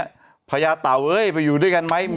ดื่มน้ำก่อนสักนิดใช่ไหมคะคุณพี่